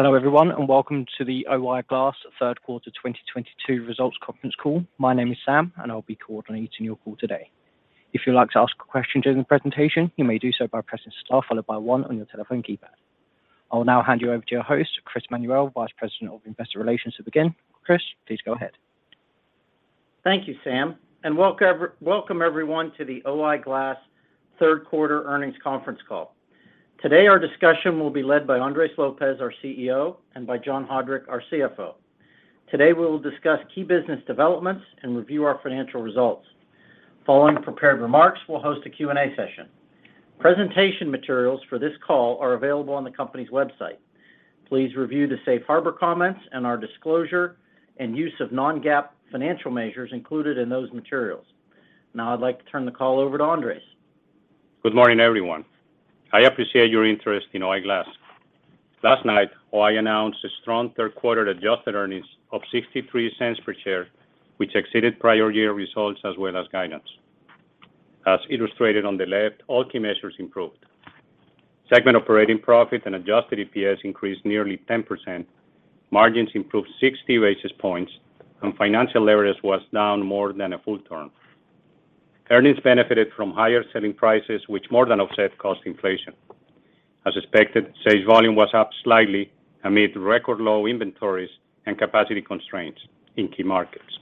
Hello everyone and welcome to the O-I Glass Third Quarter 2022 Results Conference Call. My name is Sam and I'll be coordinating your call today. If you'd like to ask a question during the presentation, you may do so by pressing star followed by one on your telephone keypad. I will now hand you over to your host, Chris Manuel, Vice President of Investor Relations. Again, Chris please go ahead. Thank you Sam and welcome everyone to the O-I Glass third quarter earnings conference call. Today, our discussion will be led by Andres Lopez, our CEO, and by John Haudrich, our CFO. Today, we will discuss key business developments and review our financial results. Following prepared remarks, we'll host a Q&A session. Presentation materials for this call are available on the company's website. Please review the safe harbor comments and our disclosure and use of non-GAAP financial measures included in those materials. Now I'd like to turn the call over to Andres. Good morning everyone. I appreciate your interest in O-I Glass. Last night, O-I announced a strong third quarter adjusted earnings of $0.63 per share, which exceeded prior year results as well as guidance. As illustrated on the left, all key measures improved. Segment operating profit and adjusted EPS increased nearly 10%. Margins improved 60 basis points, and working capital was down more than a full turn. Earnings benefited from higher selling prices, which more than offset cost inflation. As expected, sales volume was up slightly amid record low inventories and capacity constraints in key markets.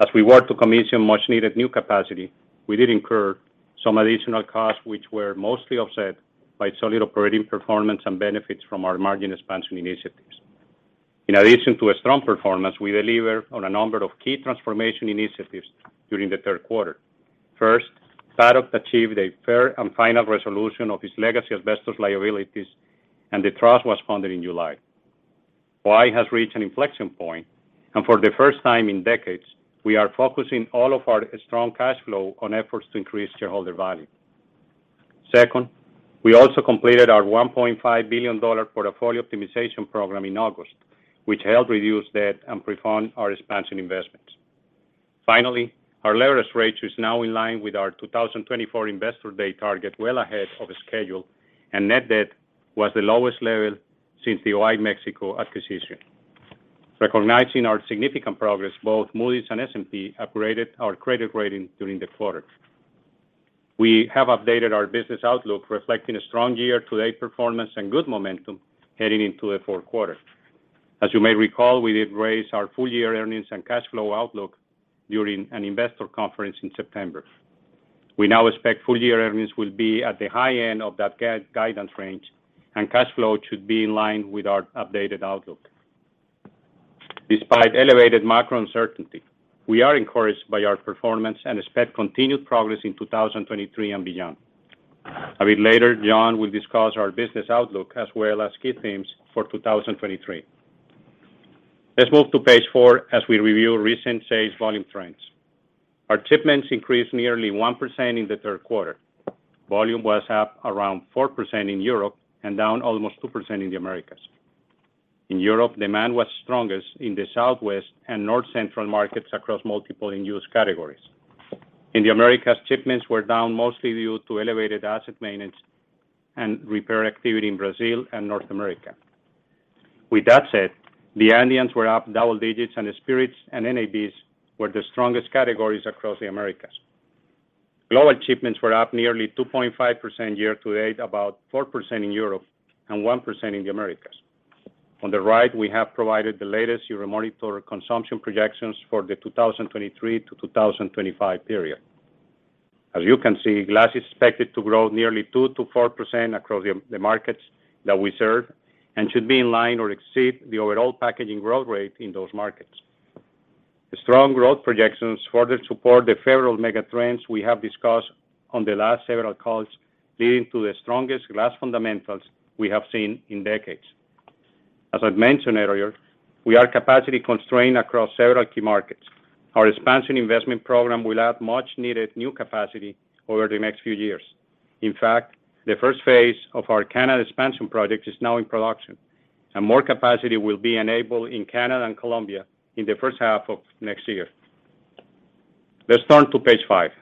As we work to commission much-needed new capacity, we did incur some additional costs, which were mostly offset by solid operating performance and benefits from our margin expansion initiatives. In addition to a strong performance, we delivered on a number of key transformation initiatives during the third quarter. First, Paddock achieved a fair and final resolution of its legacy asbestos liabilities, and the trust was funded in July. O-I has reached an inflection point, and for the first time in decades, we are focusing all of our strong cash flow on efforts to increase shareholder value. Second, we also completed our $1.5 billion portfolio optimization program in August, which helped reduce debt and prefund our expansion investments. Finally, our leverage rate is now in line with our 2024 investor day target well ahead of schedule and net debt was the lowest level since the O-I Mexico acquisition. Recognizing our significant progress, both Moody's and S&P upgraded our credit rating during the quarter. We have updated our business outlook reflecting a strong year-to-date performance and good momentum heading into the fourth quarter. As you may recall, we did raise our full year earnings and cash flow outlook during an investor conference in September. We now expect full year earnings will be at the high end of that guidance range and cash flow should be in line with our updated outlook. Despite elevated macro uncertainty, we are encouraged by our performance and expect continued progress in 2023 and beyond. A bit later, John will discuss our business outlook as well as key themes for 2023. Let's move to page four as we review recent sales volume trends. Our shipments increased nearly 1% in the third quarter. Volume was up around 4% in Europe and down almost 2% in the Americas. In Europe, demand was strongest in the Southwest and North Central markets across multiple end-use categories. In the Americas, shipments were down mostly due to elevated asset maintenance and repair activity in Brazil and North America. With that said, the non-alcs were up double digits, and the spirits and NABs were the strongest categories across the Americas. Global shipments were up nearly 2.5% year to date, about 4% in Europe and 1% in the Americas. On the right, we have provided the latest Euromonitor consumption projections for the 2023 to 2025 period. As you can see, Glass is expected to grow nearly 2%-4% across the markets that we serve and should be in line or exceed the overall packaging growth rate in those markets. The strong growth projections further support the several mega trends we have discussed on the last several calls, leading to the strongest glass fundamentals we have seen in decades. As I've mentioned earlier, we are capacity constrained across several key markets. Our expansion investment program will add much-needed new capacity over the next few years. In fact, the first phase of our Canada expansion project is now in production, and more capacity will be enabled in Canada and Colombia in the first half of next year. Let's turn to page five.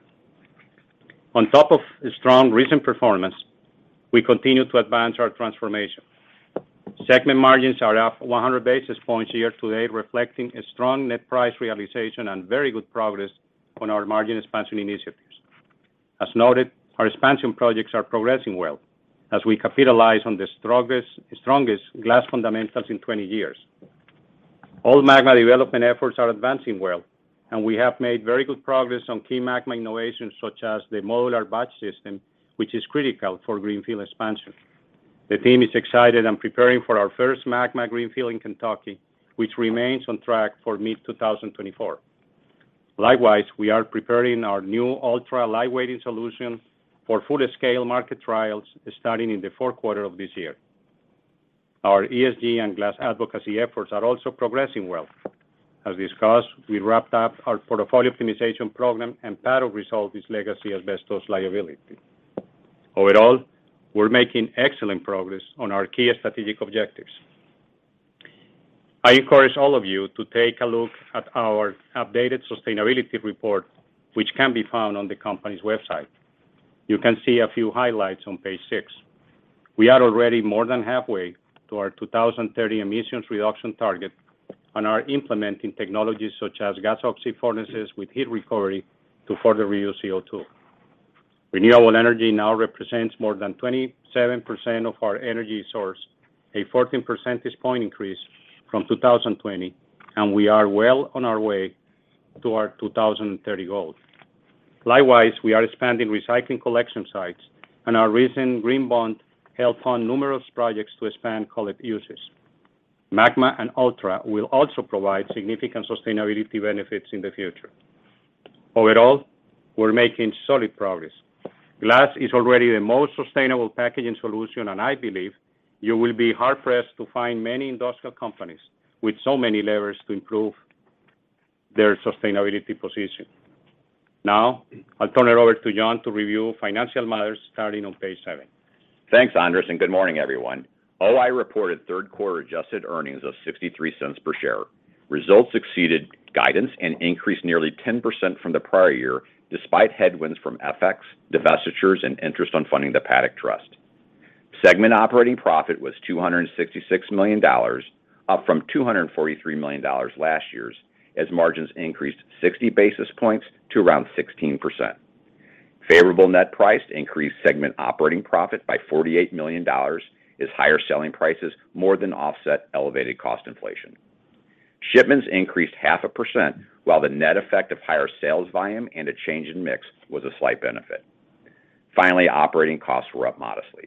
On top of strong recent performance, we continue to advance our transformation. Segment margins are up 100 basis points year to date, reflecting a strong net price realization and very good progress on our margin expansion initiatives. As noted, our expansion projects are progressing well as we capitalize on the strongest glass fundamentals in 20 years. All MAGMA development efforts are advancing well and we have made very good progress on key MAGMA innovations, such as the modular batch system, which is critical for greenfield expansion. The team is excited and preparing for our first MAGMA greenfield in Kentucky, which remains on track for mid-2024. Likewise, we are preparing our new ULTRA lightweighting solution for full-scale market trials starting in the fourth quarter of this year. Our ESG and glass advocacy efforts are also progressing well. As discussed, we wrapped up our portfolio optimization program and Paddock resolved its legacy asbestos liability. Overall, we're making excellent progress on our key strategic objectives. I encourage all of you to take a look at our updated sustainability report which can be found on the company's website. You can see a few highlights on page six. We are already more than halfway to our 2030 emissions reduction target and are implementing technologies such as gas oxy furnaces with heat recovery to further reuse CO2. Renewable energy now represents more than 27% of our energy source, a 14 percentage point increase from 2020 and we are well on our way to our 2030 goal. Likewise, we are expanding recycling collection sites, and our recent Green Bonds helped fund numerous projects to expand cullet uses. MAGMA and ULTRA will also provide significant sustainability benefits in the future. Overall, we're making solid progress, Glass is already the most sustainable packaging solution, and I believe you will be hard-pressed to find many industrial companies with so many levers to improve their sustainability position. Now, I'll turn it over to John to review financial matters starting on page seven. Thanks Andres and good morning everyone. O-I reported third-quarter adjusted earnings of $0.63 per share. Results exceeded guidance and increased nearly 10% from the prior year, despite headwinds from FX, divestitures, and interest on funding the Paddock Trust. Segment operating profit was $266 million, up from $243 million last year, as margins increased 60 basis points to around 16%. Favorable net price increased segment operating profit by $48 million as higher selling prices more than offset elevated cost inflation. Shipments increased 0.5%, while the net effect of higher sales volume and a change in mix was a slight benefit. Finally, operating costs were up modestly.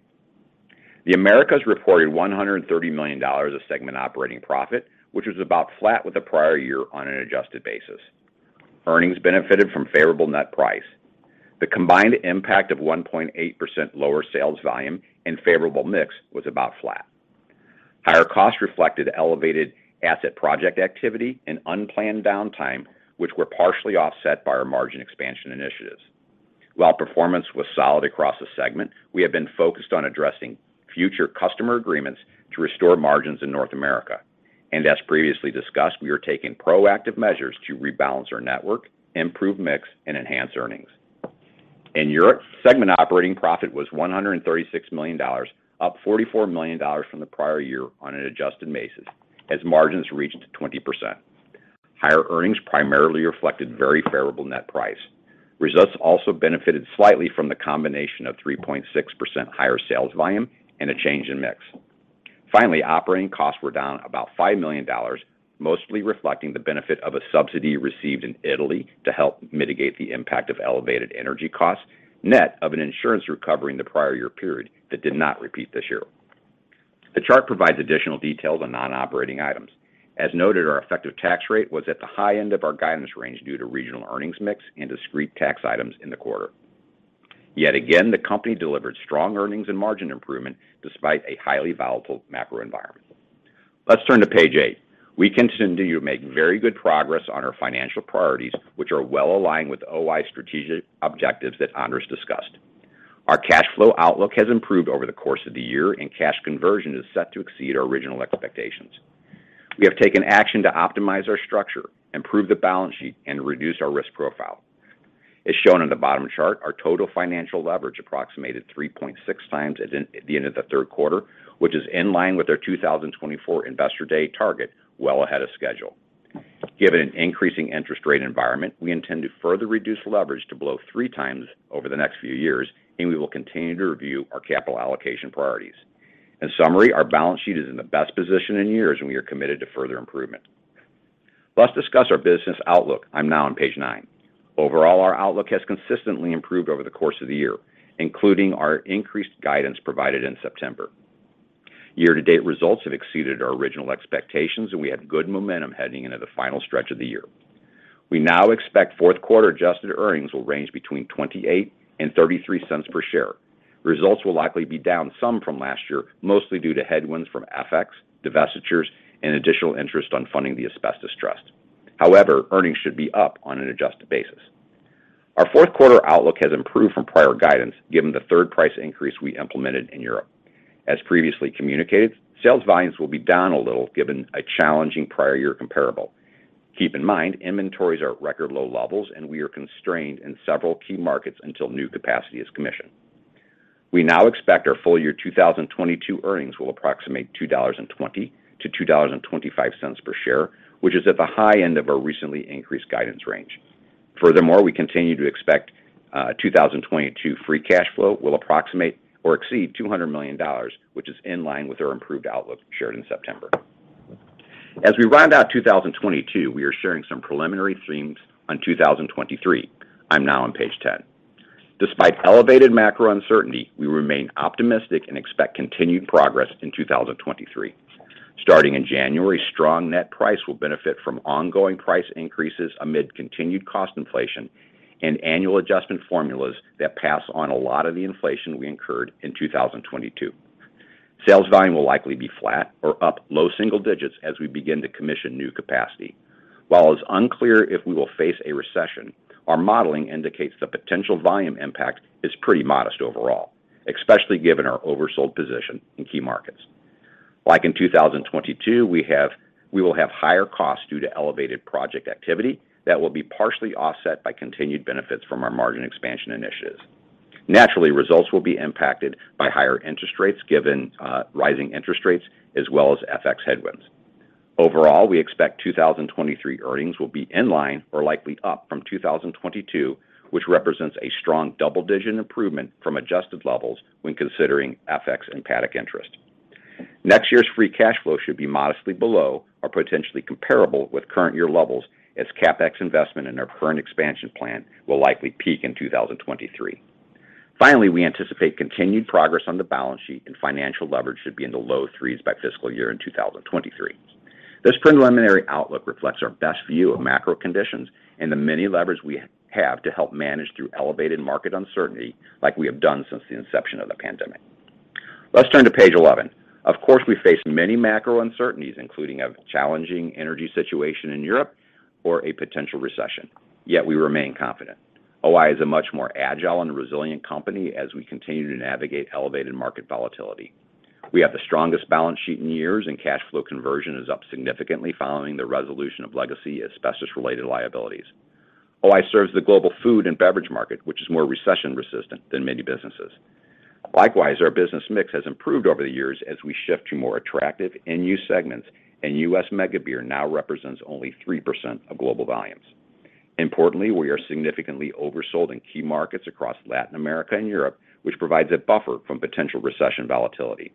The Americas reported $130 million of segment operating profit which was about flat with the prior year on an adjusted basis. Earnings benefited from favorable net price. The combined impact of 1.8% lower sales volume and favorable mix was about flat. Higher costs reflected elevated asset project activity and unplanned downtime, which were partially offset by our margin expansion initiatives. While performance was solid across the segment, we have been focused on addressing future customer agreements to restore margins in North America. As previously discussed, we are taking proactive measures to rebalance our network, improve mix, and enhance earnings. In Europe, segment operating profit was $136 million, up $44 million from the prior year on an adjusted basis, as margins reached 20%. Higher earnings primarily reflected very favorable net price. Results also benefited slightly from the combination of 3.6% higher sales volume and a change in mix. Finally, operating costs were down about $5 million, mostly reflecting the benefit of a subsidy received in Italy to help mitigate the impact of elevated energy costs, net of an insurance recovery in the prior year period that did not repeat this year. The chart provides additional details on non-operating items. As noted, our effective tax rate was at the high end of our guidance range due to regional earnings mix and discrete tax items in the quarter. Yet again, the company delivered strong earnings and margin improvement despite a highly volatile macro environment. Let's turn to page eight. We continue to make very good progress on our financial priorities, which are well aligned with O-I's strategic objectives that Andres discussed. Our cash flow outlook has improved over the course of the year and cash conversion is set to exceed our original expectations. We have taken action to optimize our structure, improve the balance sheet, and reduce our risk profile. As shown in the bottom chart, our total financial leverage approximated 3.6x at the end of the third quarter, which is in line with our 2024 Investor Day target, well ahead of schedule. Given an increasing interest rate environment, we intend to further reduce leverage to below 3x over the next few years and we will continue to review our capital allocation priorities. In summary, our balance sheet is in the best position in years and we are committed to further improvement. Let's discuss our business outlook. I'm now on page nine. Overall, our outlook has consistently improved over the course of the year, including our increased guidance provided in September. Year-to-date results have exceeded our original expectations, and we have good momentum heading into the final stretch of the year. We now expect fourth quarter adjusted earnings will range between $0.28 and $0.33 per share. Results will likely be down some from last year, mostly due to headwinds from FX, divestitures, and additional interest on funding the asbestos trust. However, earnings should be up on an adjusted basis. Our fourth quarter outlook has improved from prior guidance, given the third price increase we implemented in Europe. As previously communicated, sales volumes will be down a little, given a challenging prior year comparable. Keep in mind, inventories are at record low levels and we are constrained in several key markets until new capacity is commissioned. We now expect our full year 2022 earnings will approximate $2.20-$2.25 per share, which is at the high end of our recently increased guidance range. Furthermore, we continue to expect 2022 free cash flow will approximate or exceed $200 million, which is in line with our improved outlook shared in September. As we round out 2022, we are sharing some preliminary themes on 2023. I'm now on page 10. Despite elevated macro uncertainty, we remain optimistic and expect continued progress in 2023. Starting in January, strong net price will benefit from ongoing price increases amid continued cost inflation and annual adjustment formulas that pass on a lot of the inflation we incurred in 2022. Sales volume will likely be flat or up low single digits as we begin to commission new capacity. While it's unclear if we will face a recession, our modeling indicates the potential volume impact is pretty modest overall, especially given our oversold position in key markets. Like in 2022, we will have higher costs due to elevated project activity that will be partially offset by continued benefits from our margin expansion initiatives. Naturally, results will be impacted by higher interest rates given rising interest rates as well as FX headwinds. Overall, we expect 2023 earnings will be in line or likely up from 2022, which represents a strong double-digit improvement from adjusted levels when considering FX and Paddock interest. Next year's free cash flow should be modestly below or potentially comparable with current year levels as CapEx investment in our current expansion plan will likely peak in 2023. Finally, we anticipate continued progress on the balance sheet and financial leverage should be in the low threes by fiscal year in 2023. This preliminary outlook reflects our best view of macro conditions and the many levers we have to help manage through elevated market uncertainty like we have done since the inception of the pandemic. Let's turn to page 11. Of course, we face many macro uncertainties, including a challenging energy situation in Europe or a potential recession, yet we remain confident. O-I is a much more agile and resilient company as we continue to navigate elevated market volatility. We have the strongest balance sheet in years and cash flow conversion is up significantly following the resolution of legacy asbestos-related liabilities. O-I serves the global food and beverage market, which is more recession-resistant than many businesses. Likewise, our business mix has improved over the years as we shift to more attractive end-use segments, and U.S. mega beer now represents only 3% of global volumes. Importantly, we are significantly oversold in key markets across Latin America and Europe, which provides a buffer from potential recession volatility.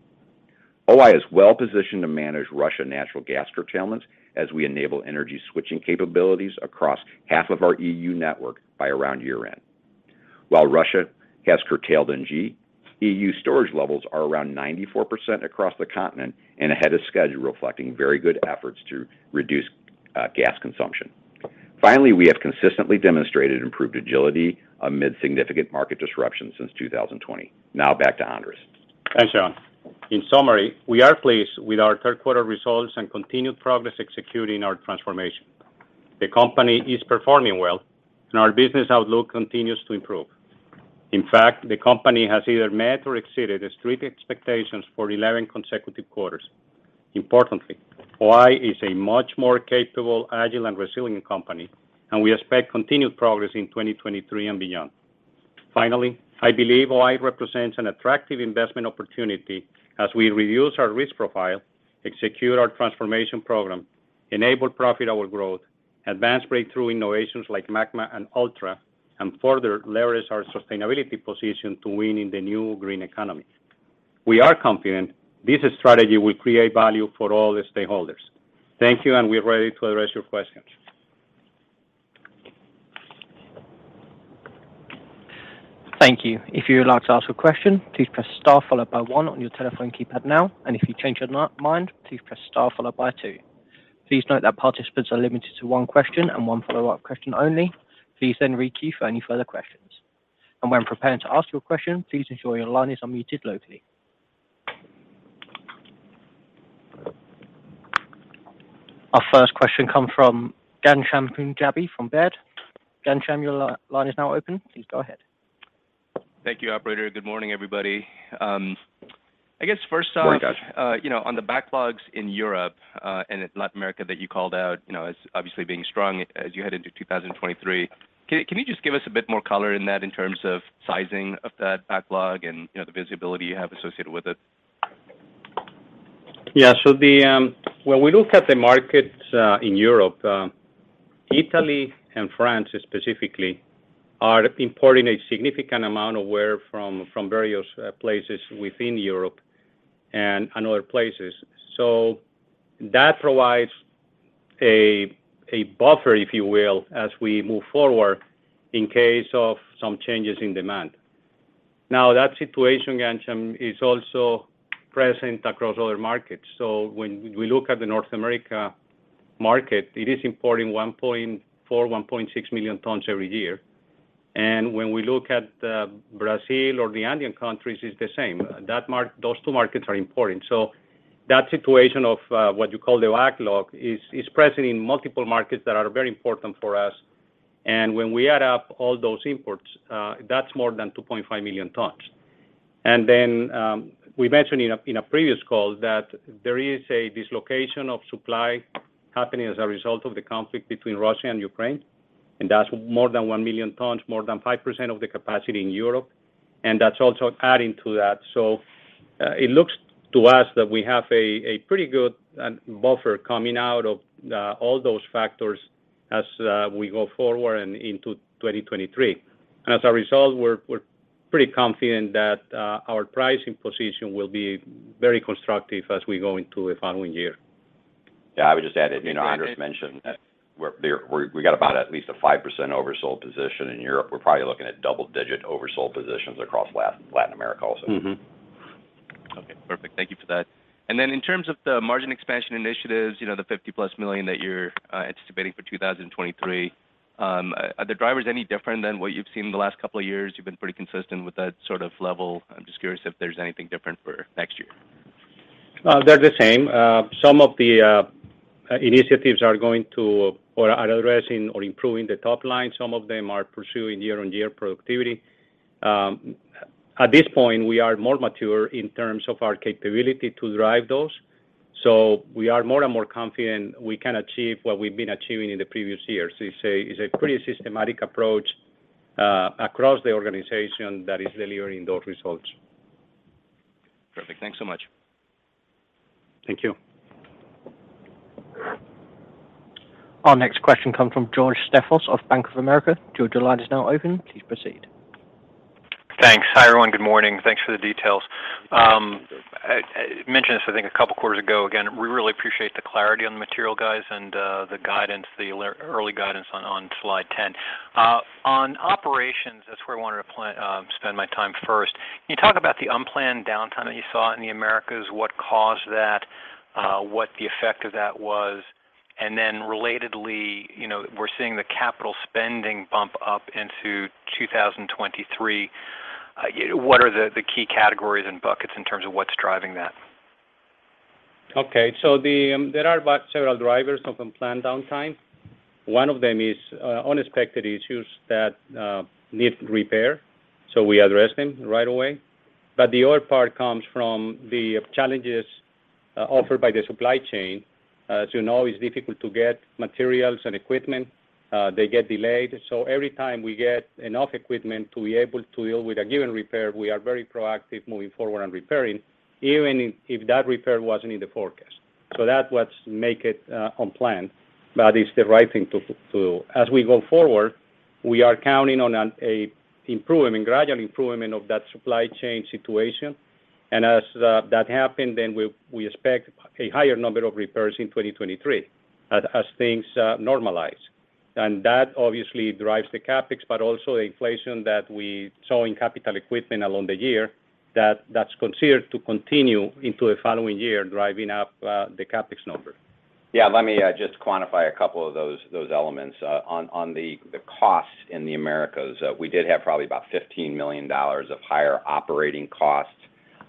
O-I is well positioned to manage Russian natural gas curtailments as we enable energy switching capabilities across half of our EU network by around year-end. While Russia has curtailed NG, EU storage levels are around 94% across the continent and ahead of schedule, reflecting very good efforts to reduce gas consumption. Finally, we have consistently demonstrated improved agility amid significant market disruptions since 2020. Now back to Andres. Thanks John. In summary, we are pleased with our third quarter results and continued progress executing our transformation. The company is performing well and our business outlook continues to improve. In fact, the company has either met or exceeded the street expectations for 11 consecutive quarters. Importantly, O-I is a much more capable, agile, and resilient company, and we expect continued progress in 2023 and beyond. Finally, I believe O-I represents an attractive investment opportunity as we reduce our risk profile, execute our transformation program, enable profitable growth, advance breakthrough innovations like MAGMA and ULTRA, and further leverage our sustainability position to win in the new green economy. We are confident this strategy will create value for all the stakeholders. Thank you and we're ready to address your questions. Thank you. If you would like to ask a question, please press star followed by one on your telephone keypad now. If you change your mind, please press star followed by two. Please note that participants are limited to one question and one follow-up question only. Please then rekey for any further questions. When preparing to ask your question, please ensure your line is unmuted locally. Our first question comes from Ghansham Panjabi from Baird. Gansham your line is now open. Please go ahead. Thank you operator. Good morning everybody. I guess first off. Morning Ghansham. You know, on the backlogs in Europe and Latin America that you called out, you know, as obviously being strong as you head into 2023, can you just give us a bit more color in that in terms of sizing of that backlog and, you know, the visibility you have associated with it? Yeah. When we look at the markets in Europe, Italy and France specifically are importing a significant amount of ware from various places within Europe and other places. That provides a buffer if you will, as we move forward in case of some changes in demand. That situation, Ghansham is also present across other markets. When we look at the North America market, it is importing 1.4-1.6 million tons every year. When we look at Brazil or the Andean countries, it's the same. Those two markets are important that situation of what you call the backlog is present in multiple markets that are very important for us. When we add up all those imports that's more than 2.5 million tons. We mentioned in a previous call that there is a dislocation of supply happening as a result of the conflict between Russia and Ukraine, and that's more than 1 million tons, more than 5% of the capacity in Europe and that's also adding to that. It looks to us that we have a pretty good buffer coming out of all those factors as we go forward and into 2023. As a result, we're pretty confident that our pricing position will be very constructive as we go into the following year. Yeah. I would just add that, you know, Andres mentioned we got about at least a 5% oversold position in Europe. We're probably looking at double-digit oversold positions across Latin America also. Mm-hmm. Okay, perfect. Thank you for that. Then in terms of the margin expansion initiatives, you know, the +$50 million that you're anticipating for 2023, are the drivers any different than what you've seen in the last couple of years? You've been pretty consistent with that sort of level. I'm just curious if there's anything different for next year. They're the same. Some of the initiatives are going to or are addressing or improving the top line. Some of them are pursuing year-on-year productivity. At this point, we are more mature in terms of our capability to drive those. We are more and more confident we can achieve what we've been achieving in the previous years. It's a pretty systematic approach across the organization that is delivering those results. Perfect, thanks so much. Thank you. Our next question comes from George Staphos of Bank of America. George your line is now open. Please proceed. Thanks. Hi everyone. Good morning, thanks for the details. I mentioned this, I think a couple of quarters ago. Again, we really appreciate the clarity on the material guys and the guidance, the early guidance on slide 10. On operations, that's where I wanted to spend my time first. Can you talk about the unplanned downtime that you saw in the Americas? What caused that? What the effect of that was? And then relatedly, you know, we're seeing the capital spending bump up into 2023. What are the key categories and buckets in terms of what's driving that? Okay, there are about several drivers of unplanned downtime. One of them is unexpected issues that need repair, so we address them right away. The other part comes from the challenges offered by the supply chain. As you know, it's difficult to get materials and equipment, they get delayed. Every time we get enough equipment to be able to deal with a given repair, we are very proactive moving forward on repairing, even if that repair wasn't in the forecast. That's what's make it unplanned, it's the right thing to. As we go forward, we are counting on a gradual improvement of that supply chain situation. As that happen, then we expect a higher number of repairs in 2023 as things normalize. That obviously drives the CapEx, but also inflation that we saw in capital equipment along the year that is considered to continue into the following year, driving up the CapEx number. Yeah, let me just quantify a couple of those elements. On the costs in the Americas, we did have probably about $15 million of higher operating costs,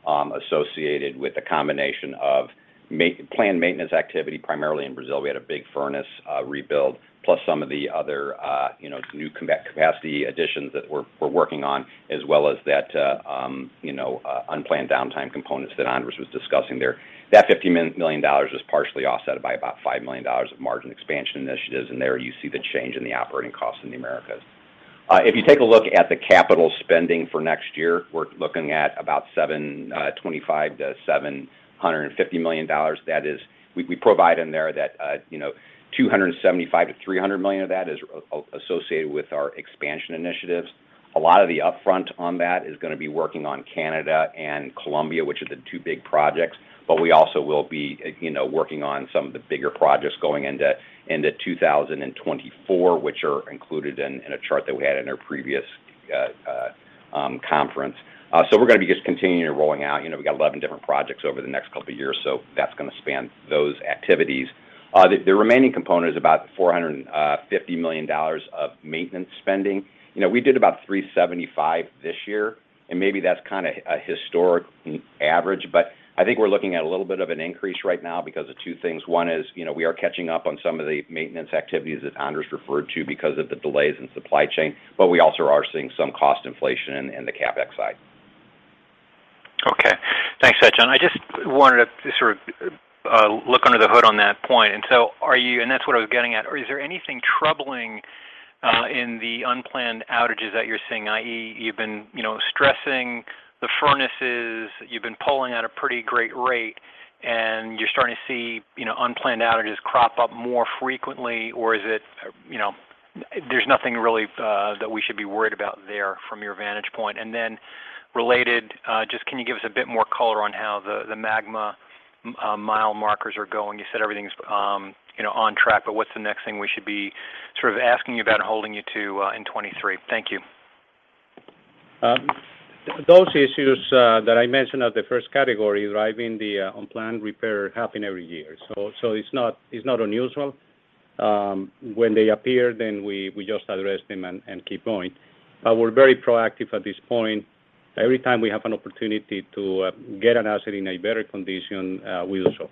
associated with the combination of planned maintenance activity. Primarily in Brazil, we had a big furnace rebuild, plus some of the other, you know, new capacity additions that we're working on, as well as that, you know, unplanned downtime components that Andres was discussing there. That $50 million was partially offset by about $5 million of margin expansion initiatives and there you see the change in the operating costs in the Americas. If you take a look at the capital spending for next year, we're looking at about $725 million-$750 million. We provide in there that, you know, $275 million-$300 million of that is associated with our expansion initiatives. A lot of the upfront on that is gonna be working on Canada and Colombia, which are the two big projects. We also will be, you know, working on some of the bigger projects going into 2024, which are included in a chart that we had in our previous conference. So we're gonna be just continuing rolling out. You know, we've got 11 different projects over the next couple of years, so that's gonna span those activities. The remaining component is about $450 million of maintenance spending. You know, we did about $375 this year and maybe that's kinda a historic average, but I think we're looking at a little bit of an increase right now because of two things. One is, you know, we are catching up on some of the maintenance activities that Andres referred to because of the delays in supply chain, but we also are seeing some cost inflation in the CapEx side. Okay, thanks for that, John. I just wanted to sort of look under the hood on that point. That's what I was getting at. Is there anything troubling in the unplanned outages that you're seeing? I.e., you've been, you know, stressing the furnaces, you've been pulling at a pretty great rate and you're starting to see, you know, unplanned outages crop up more frequently, or is it, you know, there's nothing really that we should be worried about there from your vantage point? Then related, just can you give us a bit more color on how the MAGMA milestones are going? You said everything's, you know, on track but what's the next thing we should be sort of asking you about and holding you to in 2023? Thank you. Those issues that I mentioned are the first category driving the unplanned repairs happen every year, it's not unusual. When they appear, then we just address them and keep going. We're very proactive at this point. Every time we have an opportunity to get an asset in a better condition, we will show.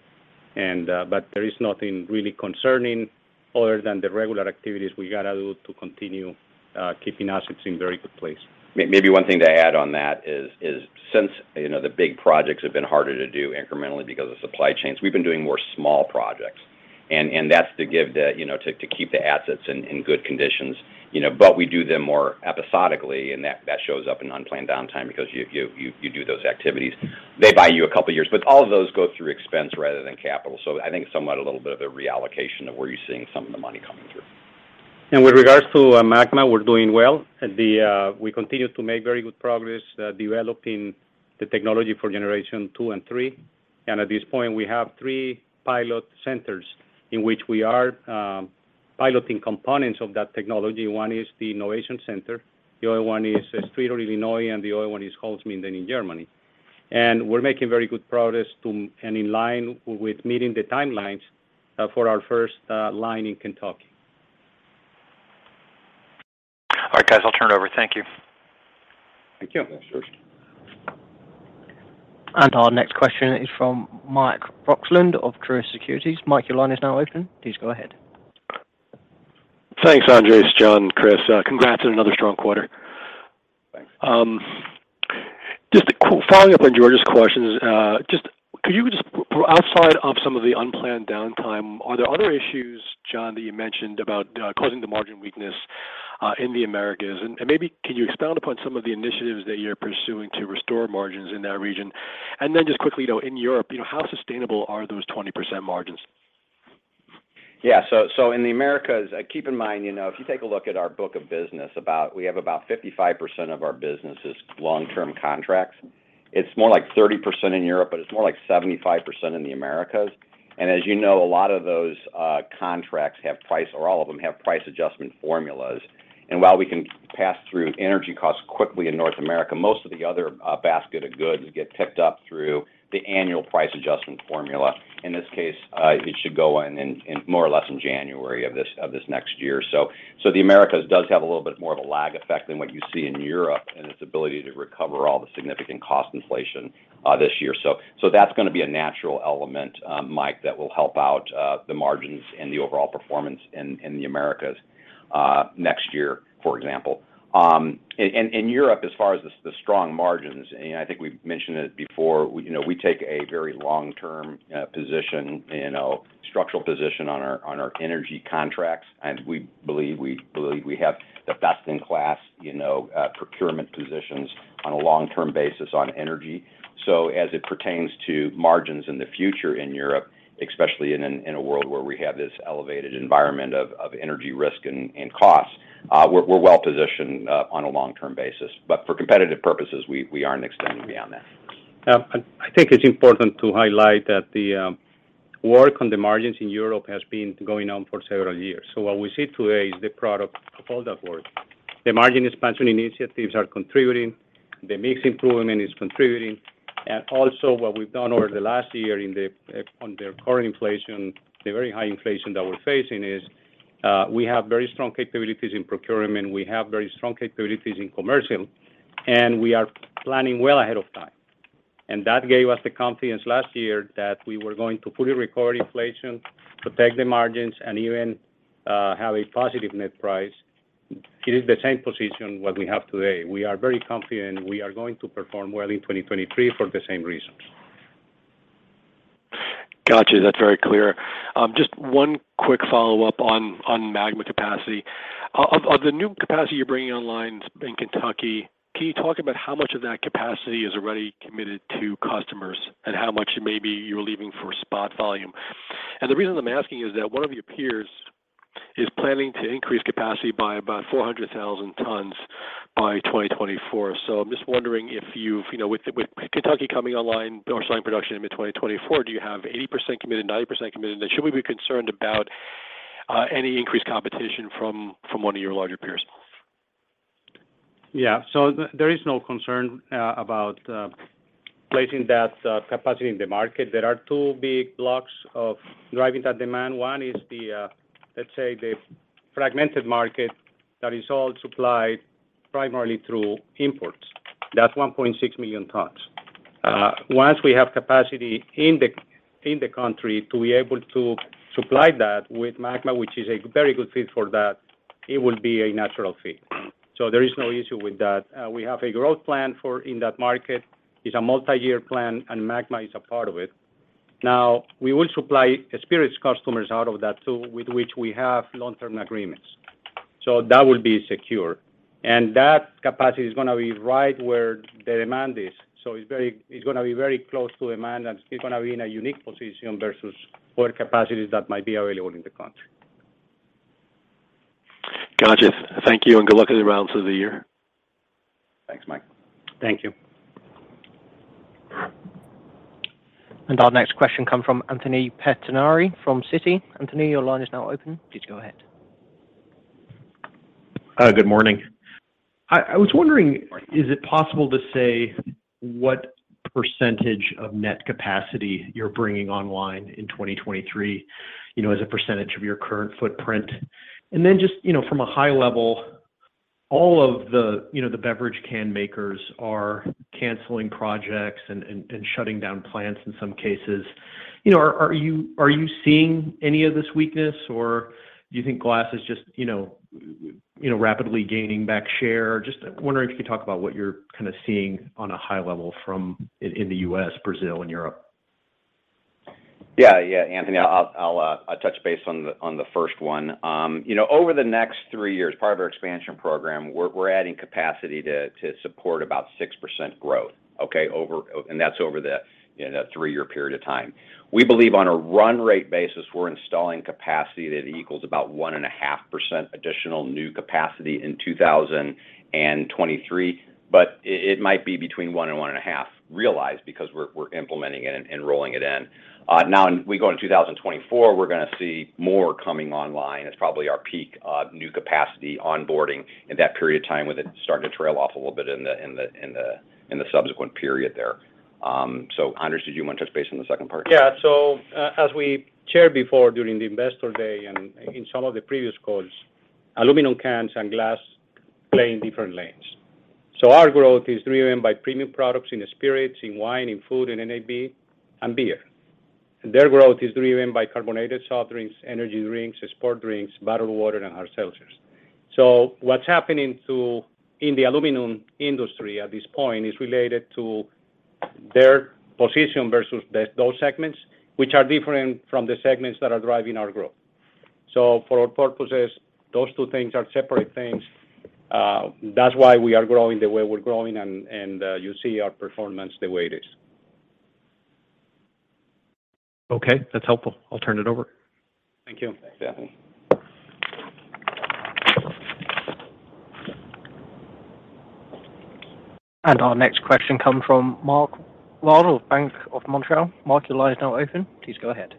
There is nothing really concerning other than the regular activities we gotta do to continue keeping assets in very good place. Maybe one thing to add on that is since, you know, the big projects have been harder to do incrementally because of supply chains, we've been doing more small projects. That's to give the, you know, to keep the assets in good conditions, you know. We do them more episodically, and that shows up in unplanned downtime because you do those activities. They buy you a couple of years. All of those go through expense rather than capital. I think somewhat a little bit of a reallocation of where you're seeing some of the money coming through. With regards to MAGMA, we're doing well. We continue to make very good progress developing the technology for Generation 2 and 3. At this point, we have three pilot centers in which we are piloting components of that technology. One is the Innovation Center, the other one is Streator, Illinois, and the other one is Holzminden, in Germany. We're making very good progress, and in line with meeting the timelines for our first line in Kentucky. All right guys, I'll turn it over. Thank you. Thank you. That's yours. Our next question is from Michael Roxland of Truist Securities. Mike, your line is now open. Please go ahead. Thanks Andres, John, Chris. Congrats on another strong quarter. Thanks. Following up on George's questions, outside of some of the unplanned downtime, are there other issues, John that you mentioned about causing the margin weakness in the Americas? And maybe can you expound upon some of the initiatives that you're pursuing to restore margins in that region? And then just quickly, though, in Europe you know, how sustainable are those 20% margins? Yeah. In the Americas, keep in mind, you know, if you take a look at our book of business, we have about 55% of our business is long-term contracts. It's more like 30% in Europe, but it's more like 75% in the Americas. As you know, a lot of those contracts have price or all of them have price adjustment formulas. While we can pass through energy costs quickly in North America, most of the other basket of goods get picked up through the annual price adjustment formula. In this case, it should go in more or less in January of this next year. The Americas does have a little bit more of a lag effect than what you see in Europe and its ability to recover all the significant cost inflation this year. That's gonna be a natural element, Mike that will help out the margins and the overall performance in the Americas next year, for example. In Europe, as far as the strong margins, and I think we've mentioned it before, you know, we take a very long-term position, you know, structural position on our energy contracts and we believe we have the best in class, you know, procurement positions on a long-term basis on energy. As it pertains to margins in the future in Europe, especially in a world where we have this elevated environment of energy risk and costs, we're well positioned on a long-term basis. For competitive purposes, we aren't extending beyond that. I think it's important to highlight that the work on the margins in Europe has been going on for several years. What we see today is the product of all that work. The margin expansion initiatives are contributing, the mix improvement is contributing, and also what we've done over the last year on the current inflation, the very high inflation that we're facing is we have very strong capabilities in procurement. We have very strong capabilities in commercial, and we are planning well ahead of time. That gave us the confidence last year that we were going to fully record inflation, protect the margins, and even have a positive net price. It is the same position what we have today. We are very confident we are going to perform well in 2023 for the same reasons. Got you, that's very clear. Just one quick follow-up on MAGMA capacity. Of the new capacity you're bringing online in Kentucky, can you talk about how much of that capacity is already committed to customers and how much maybe you're leaving for spot volume? The reason I'm asking is that one of your peers is planning to increase capacity by about 400,000 tons by 2024. I'm just wondering if you've, you know, with Kentucky coming online or starting production in mid-2024, do you have 80% committed, 90% committed? Should we be concerned about any increased competition from one of your larger peers? Yeah. There is no concern about placing that capacity in the market. There are two big blocks of driving that demand. One is the, let's say, the fragmented market that is all supplied primarily through imports that's 1.6 million tons. Once we have capacity in the country to be able to supply that with MAGMA, which is a very good fit for that, it will be a natural fit, there is no issue with that. We have a growth plan for in that market. It's a multi-year plan, and MAGMA is a part of it. Now, we will supply Spirit's customers out of that too, with which we have long-term agreements that will be secure. That capacity is gonna be right where the demand is. It's gonna be very close to demand, and it's gonna be in a unique position versus what capacities that might be available in the country. Gotcha. Thank you and good luck with the balance of the year. Thanks Mike. Thank you. Our next question come from Anthony Pettinari from Citi. Anthony your line is now open. Please go ahead. Good morning. I was wondering, is it possible to say what percentage of net capacity you're bringing online in 2023, you know, as a percentage of your current footprint? Just, you know, from a high level, all of the, you know, the beverage can makers are canceling projects and shutting down plants in some cases. You know, are you seeing any of this weakness, or do you think glass is just, you know, rapidly gaining back share? Just wondering if you could talk about what you're kinda seeing on a high level in the U.S., Brazil and Europe. Yeah, Anthony. I'll touch base on the first one. You know, over the next three years, part of our expansion program, we're adding capacity to support about 6% growth, okay? That's over the you know, three-year period of time. We believe on a run rate basis, we're installing capacity that equals about 1.5% additional new capacity in 2023, but it might be between 1% and 1.5% realized because we're implementing it and rolling it in. Now we go in 2024, we're gonna see more coming online. It's probably our peak of new capacity onboarding in that period of time with it starting to trail off a little bit in the subsequent period there. Andres did you wanna touch base on the second part? Yeah. As we shared before during the Investor Day and in some of the previous calls, aluminum cans and glass play in different lanes. Our growth is driven by premium products in spirits, in wine, in food, in NAB, and beer. Their growth is driven by carbonated soft drinks, energy drinks, sport drinks, bottled water, and hard seltzers. What's happening in the aluminum industry at this point is related to their position versus those segments, which are different from the segments that are driving our growth. For our purposes, those two things are separate things that's why we are growing the way we're growing and you see our performance the way it is. Okay, that's helpful. I'll turn it over. Thank you. Thanks Anthony. Our next question comes from Mark Wilde of Bank of Montreal. Mark your line is now open. Please go ahead.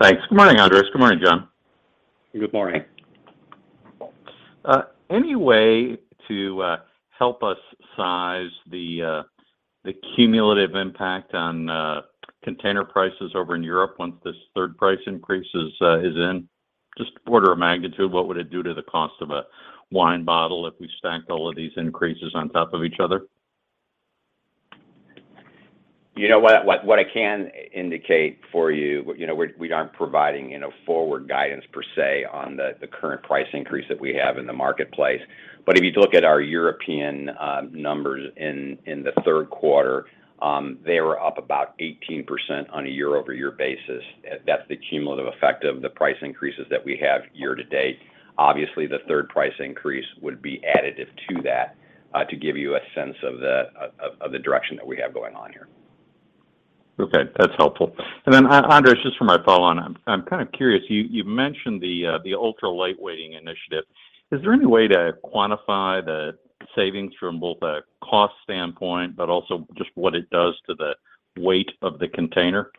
Thanks. Good morning Andres. Good morning John. Good morning. Any way to help us size the cumulative impact on container prices over in Europe once this third price increase is in? Just order of magnitude, what would it do to the cost of a wine bottle if we stacked all of these increases on top of each other? You know what I can indicate for you know, we aren't providing, you know, forward guidance per se on the current price increase that we have in the marketplace. If you look at our European numbers in the third quarter, they were up about 18% on a year-over-year basis. That's the cumulative effect of the price increases that we have year-to-date. Obviously, the third price increase would be additive to that, to give you a sense of the direction that we have going on here. Okay, that's helpful. Andres just for my follow on, I'm kind of curious, you mentioned the ULTRA lightweighting initiative. Is there any way to quantify the savings from both a cost standpoint, but also just what it does to the weight of the container?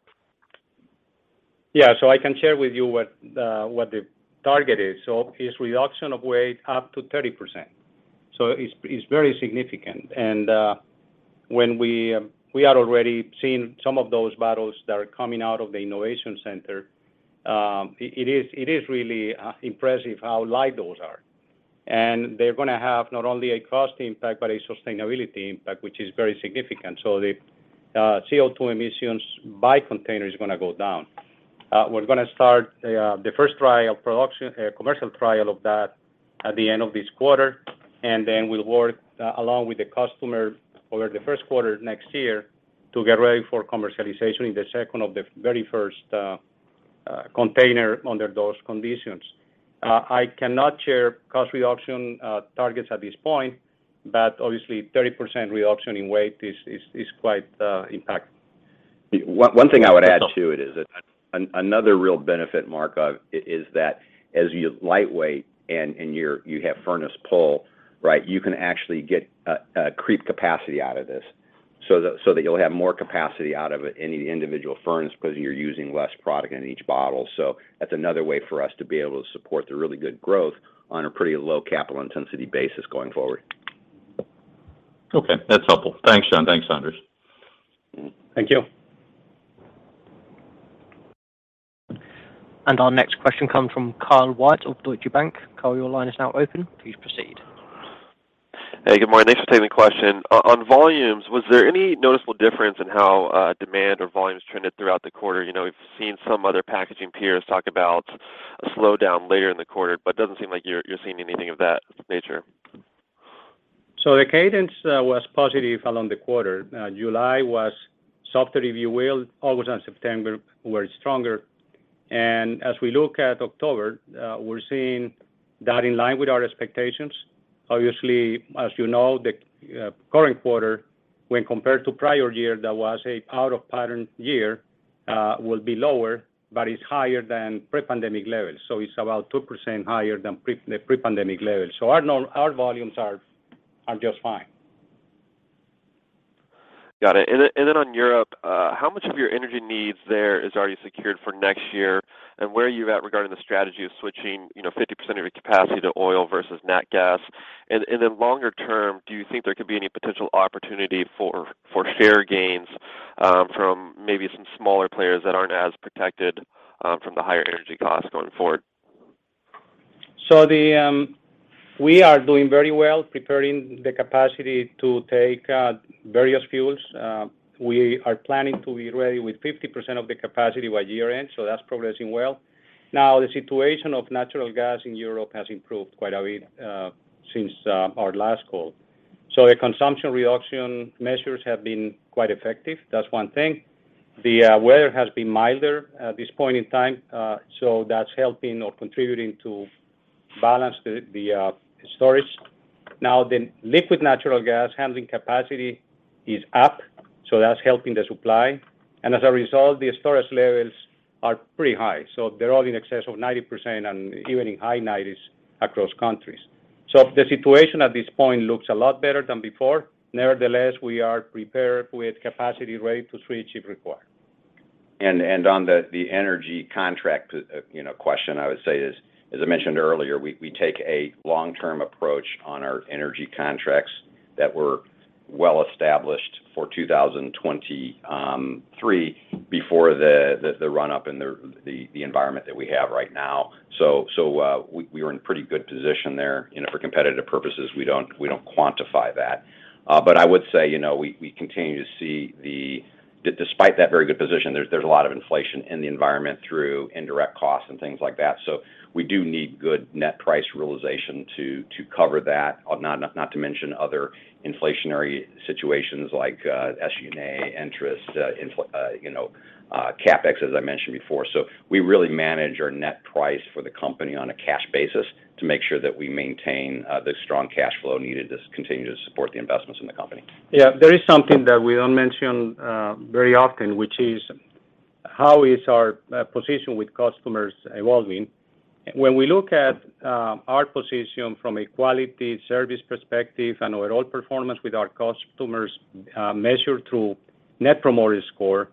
Yeah. I can share with you what the target is. It's reduction of weight up to 30%. It's very significant. When we are already seeing some of those bottles that are coming out of the innovation center. It is really impressive how light those are. They're gonna have not only a cost impact, but a sustainability impact, which is very significant. The CO2 emissions by container is gonna go down. We're gonna start the first commercial trial of that at the end of this quarter and then we'll work along with the customer over the first quarter next year to get ready for commercialization in the second of the very first container under those conditions. I cannot share cost reduction targets at this point, but obviously 30% reduction in weight is quite impactful. One thing I would add to it is that another real benefit Mark, of it is that as you lightweight and you have furnace pull, right, you can actually get a creep capacity out of this so that you'll have more capacity out of any individual furnace because you're using less product in each bottle. So that's another way for us to be able to support the really good growth on a pretty low capital intensity basis going forward. Okay, that's helpful. Thanks John. Thanks Andres. Thank you. Our next question comes from Kyle White of Deutsche Bank. Kyle your line is now open. Please proceed. Hey, good morning. Thanks for taking the question. On volumes, was there any noticeable difference in how demand or volumes trended throughout the quarter? You know, we've seen some other packaging peers talk about a slowdown later in the quarter, but it doesn't seem like you're seeing anything of that nature. The cadence was positive along the quarter. July was softer, if you will. August and September were stronger. As we look at October, we're seeing that in line with our expectations. Obviously, as you know the current quarter when compared to prior year that was a out of pattern year will be lower but it's higher than pre-pandemic levels. It's about 2% higher than pre-pandemic levels. Our volumes are just fine. Got it. On Europe, how much of your energy needs there is already secured for next year? Where are you at regarding the strategy of switching, you know, 50% of your capacity to oil versus nat gas? Longer term, do you think there could be any potential opportunity for share gains from maybe some smaller players that aren't as protected from the higher energy costs going forward? We are doing very well preparing the capacity to take various fuels. We are planning to be ready with 50% of the capacity by year-end, that's progressing well. The situation of natural gas in Europe has improved quite a bit since our last call. The consumption reduction measures have been quite effective, that's one thing. The weather has been milder at this point in time, so that's helping or contributing to balance the storage. The liquid natural gas handling capacity is up, so that's helping the supply. As a result, the storage levels are pretty high. They're all in excess of 90% and even in high 90s across countries. The situation at this point looks a lot better than before. Nevertheless, we are prepared with capacity ready to switch if required. On the energy contract, you know, question, I would say as I mentioned earlier, we take a long-term approach on our energy contracts that we're well established for 2023 before the run up in the environment that we have right now. We were in pretty good position there. You know, for competitive purposes, we don't quantify that. But I would say, you know, despite that very good position, there's a lot of inflation in the environment through indirect costs and things like that. We do need good net price realization to cover that. Not to mention other inflationary situations like wages, interest, inflation, you know, CapEx, as I mentioned before. We really manage our net price for the company on a cash basis to make sure that we maintain the strong cash flow needed to continue to support the investments in the company. Yeah. There is something that we don't mention very often, which is how is our position with customers evolving. When we look at our position from a quality service perspective and our overall performance with our customers measured through Net Promoter Score,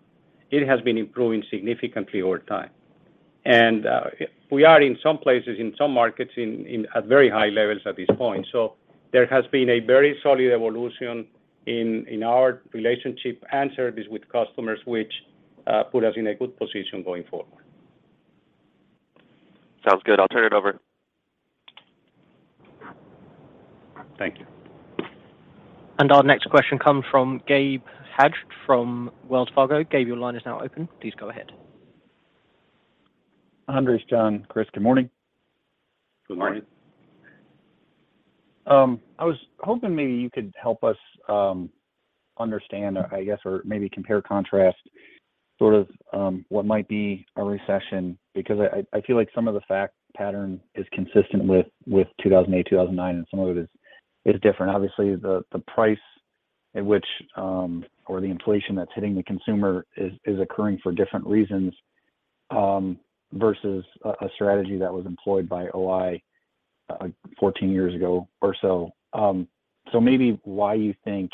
it has been improving significantly over time. We are in some places, in some markets, at very high levels at this point. There has been a very solid evolution in our relationship and service with customers, which put us in a good position going forward. Sounds good. I'll turn it over. Thank you. Our next question comes from Gabe Hajde from Wells Fargo. Gabe your line is now open. Please go ahead. Andres, John, Chris, good morning. Good morning. Good morning. I was hoping maybe you could help us understand, I guess or maybe compare or contrast sort of what might be a recession, because I feel like some of the fact pattern is consistent with 2008, 2009, and some of it is different. Obviously, the price at which or the inflation that's hitting the consumer is occurring for different reasons versus a strategy that was employed by O-I 14 years ago or so. So maybe why you think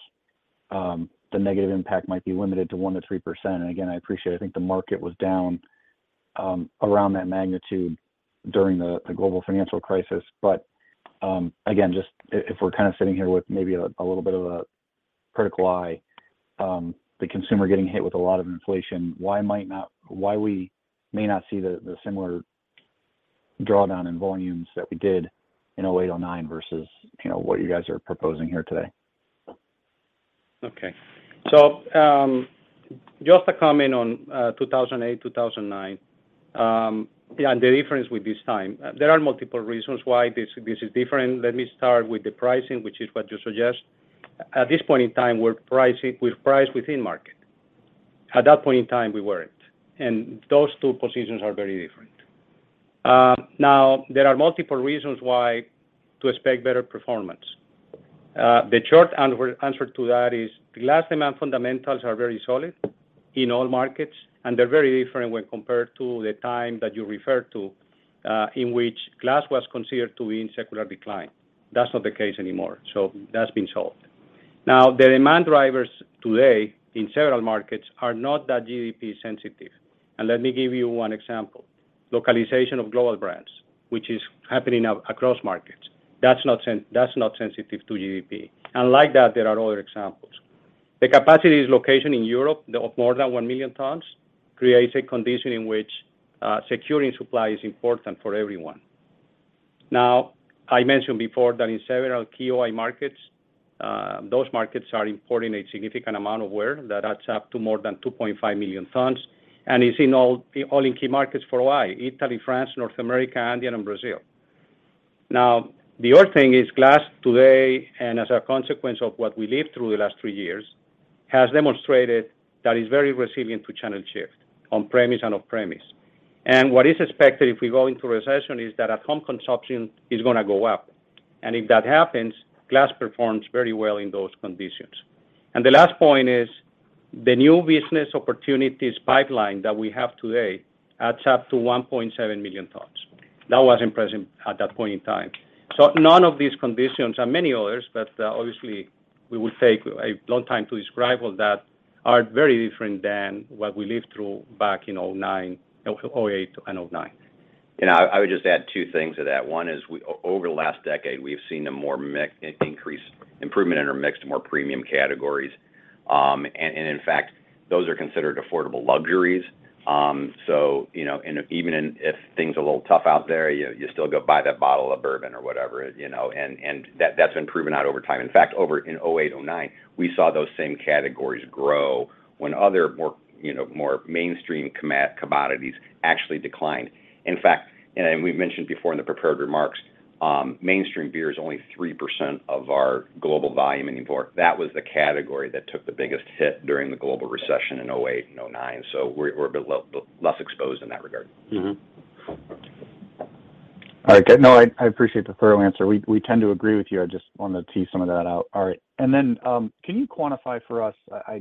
the negative impact might be limited to 1%-3%. Again, I appreciate, I think the market was down around that magnitude during the global financial crisis. Again, just if we're kind of sitting here with maybe a little bit of a critical eye, the consumer getting hit with a lot of inflation, why we may not see the similar drawdown in volumes that we did in 2008, 2009 versus, you know, what you guys are proposing here today? Okay. Just to comment on 2008, 2009 and the difference with this time. There are multiple reasons why this is different. Let me start with the pricing, which is what you suggest. At this point in time, we're pricing, we've priced within market. At that point in time, we weren't, and those two positions are very different. Now, there are multiple reasons why to expect better performance. The short answer to that is glass demand fundamentals are very solid in all markets and they're very different when compared to the time that you referred to, in which glass was considered to be in secular decline. That's not the case anymore. That's been solved. The demand drivers today in several markets are not that GDP sensitive. Let me give you one example, localization of global brands, which is happening across markets that's not sensitive to GDP. Like that, there are other examples. The capacity's location in Europe of more than 1 million tons creates a condition in which securing supply is important for everyone. I mentioned before that in several key O-I markets, those markets are importing a significant amount of ware that adds up to more than 2.5 million tons and is all in key markets for O-I, Italy, France, North America, Andean and Brazil. The other thing is glass today and as a consequence of what we lived through the last three years, has demonstrated that it's very resilient to channel shift, on premise and off premise. What is expected if we go into recession is that at-home consumption is gonna go up. If that happens, Glass performs very well in those conditions. The last point is, the new business opportunities pipeline that we have today adds up to 1.7 million tons, that wasn't present at that point in time. None of these conditions, and many others, but, obviously, we would take a long time to describe all that, are very different than what we lived through back in 2009, 2008 and 2009. I would just add two things to that. One is, over the last decade, we've seen a more mix increase, improvement in our mix to more premium categories. In fact, those are considered affordable luxuries. Even if things are a little tough out there, you still go buy that bottle of bourbon or whatever, you know, and that's been proven out over time. In fact, over in 2008, 2009, we saw those same categories grow when other more mainstream commodities actually declined. In fact, we've mentioned before in the prepared remarks, mainstream beer is only 3% of our global volume and import. That was the category that took the biggest hit during the global recession in 2008 and 2009. We're a bit less exposed in that regard. Mm-hmm. All right. No, I appreciate the thorough answer. We tend to agree with you. I just wanted to tease some of that out. All right. Can you quantify for us a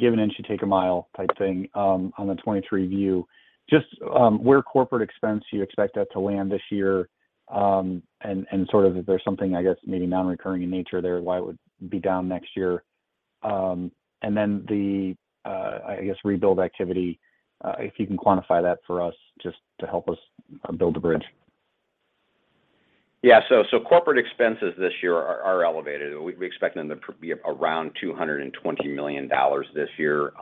give an inch, you take a mile type thing on the 2023 view, just where corporate expense you expect that to land this year and sort of if there's something, I guess, maybe non-recurring in nature there? why it would be down next year? The—I guess, rebuild activity, if you can quantify that for us just to help us build a bridge. Corporate expenses this year are elevated. We expect them to be around $220 million this year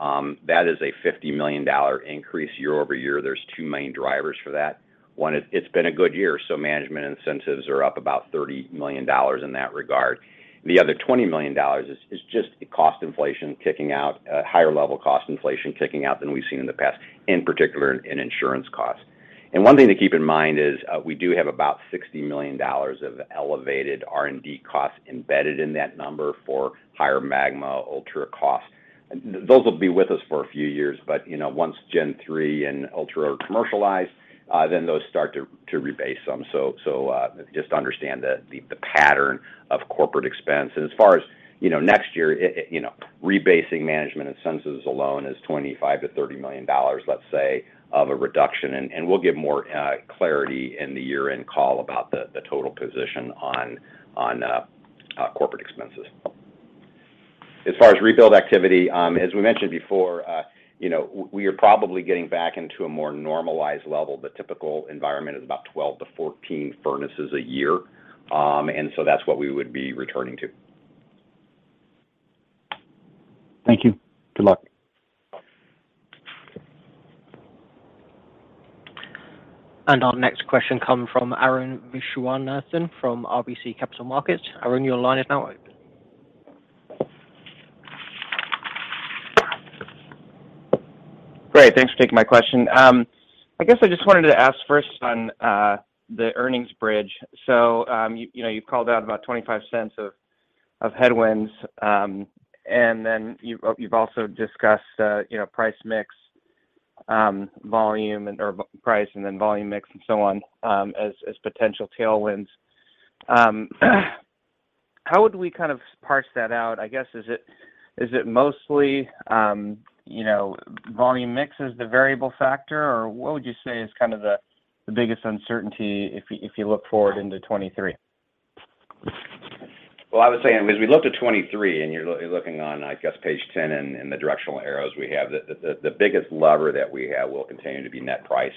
that is a $50 million increase year-over-year. There are two main drivers for that. One is it's been a good year, so management incentives are up about $30 million in that regard. The other $20 million is just cost inflation kicking in, higher level cost inflation kicking in than we've seen in the past, in particular in insurance costs. One thing to keep in mind is we do have about $60 million of elevated R&D costs embedded in that number for higher MAGMA, ULTRA costs. Those will be with us for a few years, but you know, once Gen 3 and ULTRA are commercialized, then those start to rebase some. Just understand the pattern of corporate expense. As far as next year, you know, rebasing management incentives alone is $25 million-$30 million, let's say, of a reduction. We'll give more clarity in the year-end call about the total position on corporate expenses. As far as rebuild activity, as we mentioned before, you know, we are probably getting back into a more normalized level. The typical environment is about 12-14 furnaces a year that's what we would be returning to. Thank you. Good luck. Our next question comes from Arun Viswanathan from RBC Capital Markets. Arun your line is now open. Great, thanks for taking my question. I guess I just wanted to ask first on the earnings bridge. You know, you've called out about $0.25 of headwinds and then you've also discussed you know, price mix, price, and then volume mix and so on, as potential tailwinds. How would we kind of parse that out? I guess is it mostly you know, volume mix is the variable factor? What would you say is kind of the biggest uncertainty if you look forward into 2023? I would say as we look to 2023 and you're looking on, I guess, page 10 and the directional arrows we have, the biggest lever that we have will continue to be net price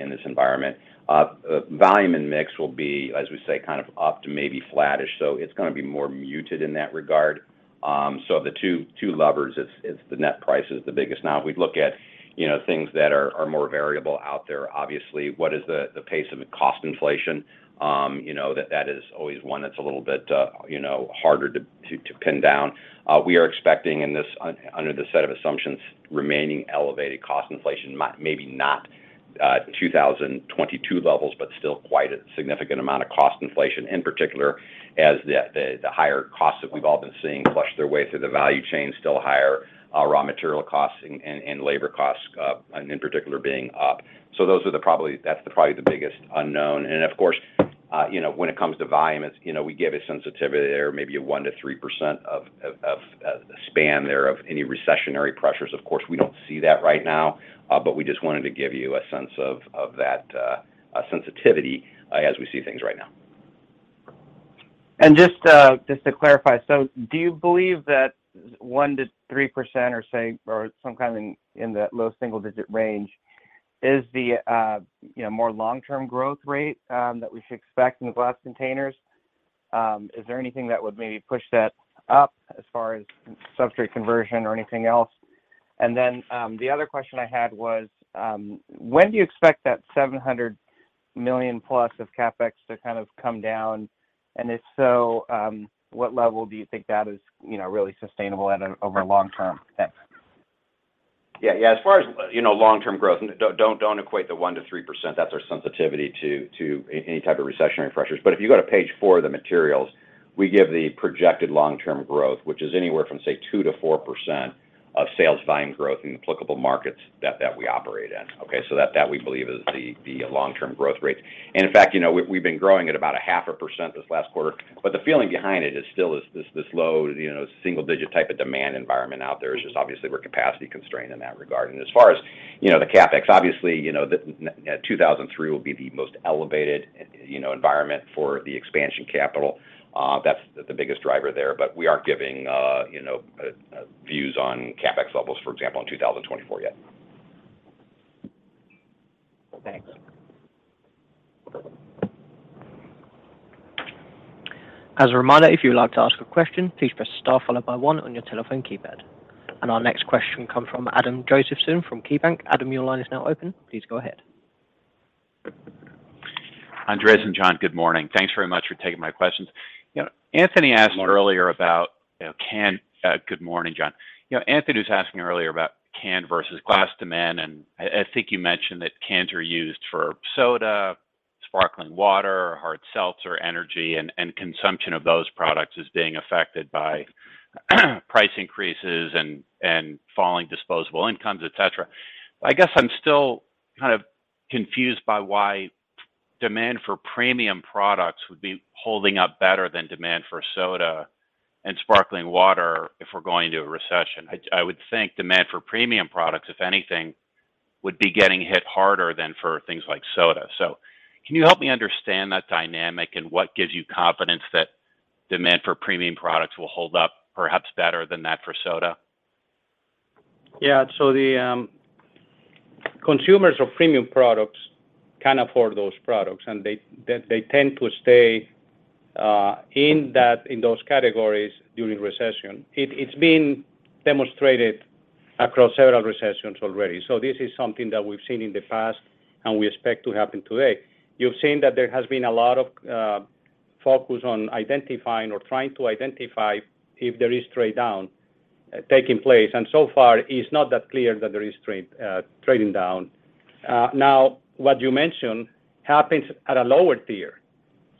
in this environment. Volume and mix will be, as we say, kind of up to maybe flattish. It's gonna be more muted in that regard. Of the two levers, it's the net price is the biggest. Now if we look at, you know, things that are more variable out there, obviously, what is the pace of cost inflation? You know, that is always one that's a little bit, you know, harder to pin down. We are expecting in this, under this set of assumptions, remaining elevated cost inflation. Maybe not 2022 levels, but still quite a significant amount of cost inflation, in particular as the higher costs that we've all been seeing flush their way through the value chain, still higher raw material costs and labor costs, and in particular being up. That's probably the biggest unknown. Of course, you know, when it comes to volume, it's you know, we give a sensitivity there, maybe a 1%-3% span there of any recessionary pressures. Of course, we don't see that right now, but we just wanted to give you a sense of that sensitivity as we see things right now. Just to clarify. Do you believe that 1%-3% or some kind in the low single digit range is the you know more long-term growth rate that we should expect in glass containers? Is there anything that would maybe push that up as far as substrate conversion or anything else? The other question I had was, when do you expect that $700 million plus of CapEx to kind of come down? If so, what level do you think that is, you know, really sustainable over long-term spend? Yeah. As far as, you know, long-term growth, and don't equate the 1%-3% that's our sensitivity to any type of recessionary pressures. If you go to page four of the materials, we give the projected long-term growth, which is anywhere from, say, 2%-4% of sales volume growth in applicable markets that we operate in, okay? That we believe is the long-term growth rates. In fact, you know, we've been growing at about 0.5% this last quarter, but the feeling behind it is still this low, you know, single-digit type of demand environment out there. It's just obviously we're capacity constrained in that regard. As far as, you know, the CapEx, obviously, you know, the 2023 will be the most elevated, you know, environment for the expansion capital that's the biggest driver there. But we aren't giving, you know, views on CapEx levels, for example, in 2024 yet. Thanks. As a reminder, if you would like to ask a question, please press star followed by one on your telephone keypad. Our next question comes from Adam Josephson from KeyBanc. Adam your line is now open. Please go ahead. Andres and John, good morning. Thanks very much for taking my questions. You know, Anthony was asking earlier about can versus glass demand, and I think you mentioned that cans are used for soda, sparkling water, hard seltzer, energy, and consumption of those products is being affected by price increases and falling disposable incomes, etc.. I guess I'm still kind of confused by why demand for premium products would be holding up better than demand for soda and sparkling water if we're going to a recession. I would think demand for premium products, if anything, would be getting hit harder than for things like soda. Can you help me understand that dynamic and what gives you confidence that demand for premium products will hold up perhaps better than that for soda? Yeah. The consumers of premium products can afford those products, and they tend to stay in those categories during recession. It's been demonstrated across several recessions already. This is something that we've seen in the past and we expect to happen today. You've seen that there has been a lot of focus on identifying or trying to identify if there is trade-down taking place, and so far it's not that clear that there is trading down. Now, what you mentioned happens at a lower tier.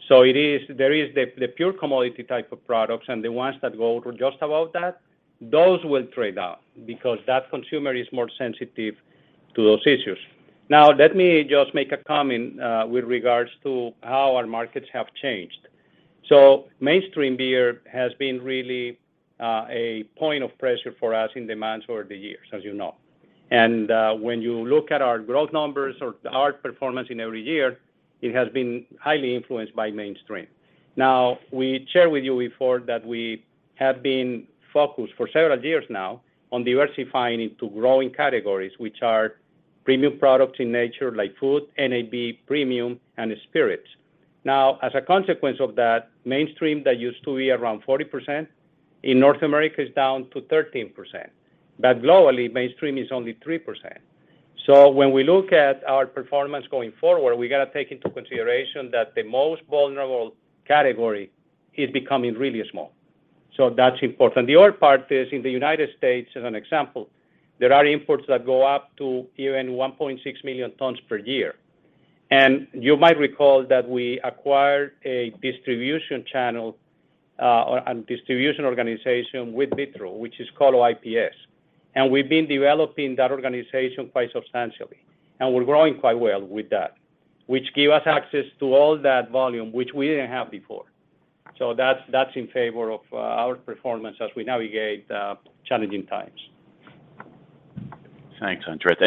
There is the pure commodity type of products and the ones that go to just about that. Those will trade down because that consumer is more sensitive to those issues. Now, let me just make a comment with regards to how our markets have changed. Mainstream beer has been really a point of pressure for us in demands over the years, as you know. When you look at our growth numbers or our performance in every year, it has been highly influenced by mainstream. We shared with you before that we have been focused for several years now on diversifying into growing categories, which are premium products in nature, like food, NAB, premium, and spirits. As a consequence of that, mainstream that used to be around 40% in North America is down to 13%. Globally, mainstream is only 3%. When we look at our performance going forward, we gotta take into consideration that the most vulnerable category is becoming really small. That's important. The other part is in the United States as an example, there are imports that go up to even 1.6 million tons per year. You might recall that we acquired a distribution channel, and distribution organization with Vitro, which is called IPS. We've been developing that organization quite substantially, and we're growing quite well with that, which give us access to all that volume, which we didn't have before. That's in favor of our performance as we navigate challenging times. Thanks, Andres.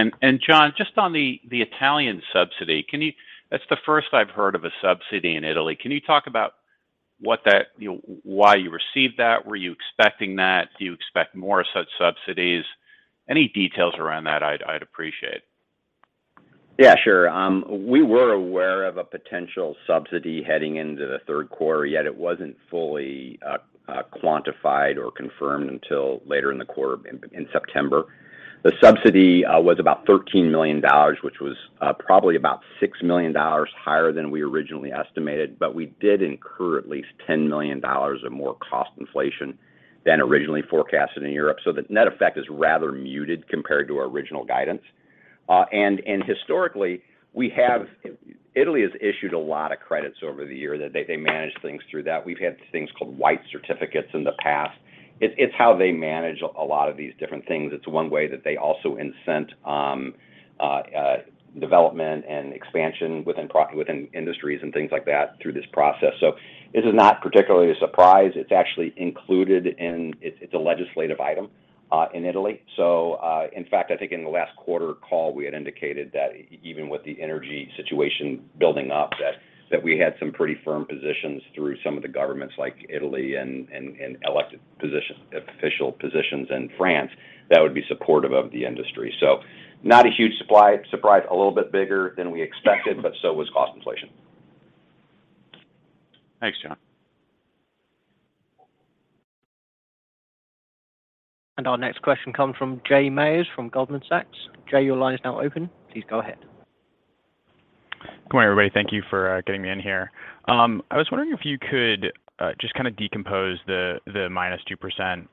John, just on the Italian subsidy. That's the first I've heard of a subsidy in Italy. Can you talk about what that, you know, why you received that? Were you expecting that? Do you expect more such subsidies? Any details around that, I'd appreciate. Yeah, sure. We were aware of a potential subsidy heading into the third quarter, yet it wasn't fully quantified or confirmed until later in the quarter, in September. The subsidy was about $13 million, which was probably about $6 million higher than we originally estimated. We did incur at least $10 million of more cost inflation than originally forecasted in Europe, so the net effect is rather muted compared to our original guidance. Historically, Italy has issued a lot of credits over the year. They manage things through that. We've had things called White Certificates in the past. It's how they manage a lot of these different things. It's one way that they also incent development and expansion within industries and things like that through this process. This is not particularly a surprise. It's actually a legislative item in Italy. In fact, I think in the last quarter call, we had indicated that even with the energy situation building up, that we had some pretty firm positions through some of the governments like Italy and official positions in France that would be supportive of the industry. Not a huge supply surprise, a little bit bigger than we expected, but so was cost inflation. Thanks John. Our next question comes from Jay Myers from Goldman Sachs. Jay your line is now open. Please go ahead. Good morning everybody, thank you for getting me in here. I was wondering if you could just kind of decompose the -2%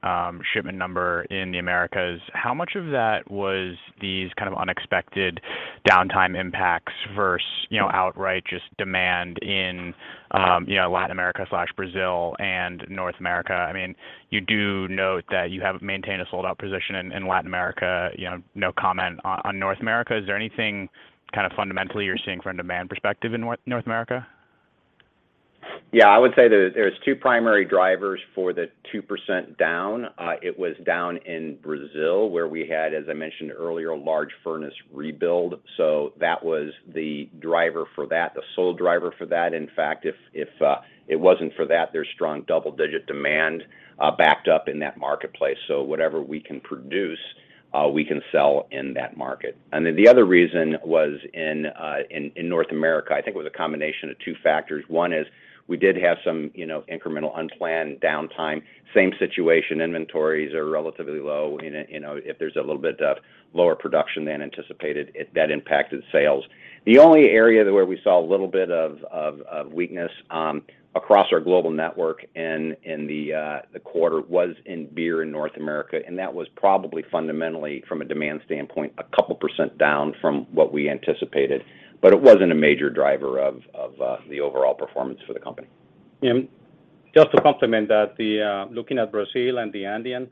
shipment number in the Americas. How much of that was these kind of unexpected downtime impacts versus, you know, outright just demand in, you know, Latin America/Brazil and North America? I mean, you do note that you have maintained a sold-out position in Latin America, you know, no comment on North America. Is there anything kind of fundamentally you're seeing from a demand perspective in North America? Yeah. I would say there's two primary drivers for the 2% down. It was down in Brazil, where we had, as I mentioned earlier, a large furnace rebuild. That was the driver for that, the sole driver for that. In fact, if it wasn't for that, there's strong double-digit demand backed up in that marketplace. Whatever we can produce, we can sell in that market. Then the other reason was in North America. I think it was a combination of two factors. One is we did have some, you know, incremental unplanned downtime. Same situation, inventories are relatively low. If there's a little bit of lower production than anticipated, that impacted sales. The only area where we saw a little bit of weakness across our global network in the quarter was in beer in North America, and that was probably fundamentally from a demand standpoint, a couple percent down from what we anticipated. It wasn't a major driver of the overall performance for the company. Just to complement that, looking at Brazil and the Andean,